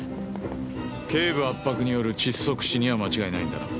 頸部圧迫による窒息死には間違いないんだな？